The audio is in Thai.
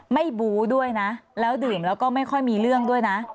บู้ด้วยนะแล้วดื่มแล้วก็ไม่ค่อยมีเรื่องด้วยนะ